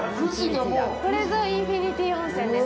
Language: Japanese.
これぞインフィニティ温泉です。